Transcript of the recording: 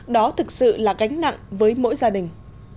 đó thực sự là gánh nặng với mỗi gia đình